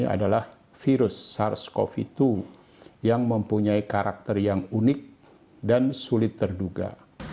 adalah virus sars cov dua yang mempunyai karakter yang unik dan sulit terduga